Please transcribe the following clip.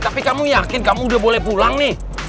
tapi kamu yakin kamu udah boleh pulang nih